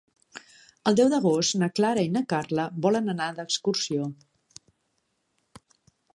El deu d'agost na Clara i na Carla volen anar d'excursió.